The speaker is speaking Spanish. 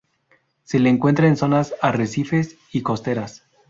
Se le encuentra en zonas arrecifales y costeras.